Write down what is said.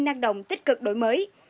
năng động tích cực đổi mới